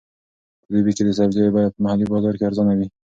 په دوبي کې د سبزیو بیه په محلي بازار کې ارزانه وي.